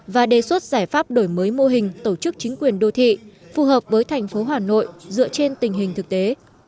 và đề xuất giải pháp đổi mới mô hình tổ chức chính quyền đô thị phù hợp với thành phố hà nội dựa trên tình hình thực tế